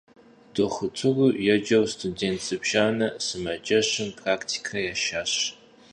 Дохутыру еджэу студент зыбжанэ сымаджэщым практикэ яшащ.